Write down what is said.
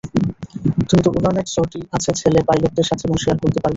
তুমি তো overnight sortie আছে ছেলে পাইলটদের সাথে রুম শেয়ার করতে পারবে?